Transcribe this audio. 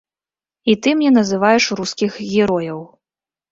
І ты мне называеш рускіх герояў.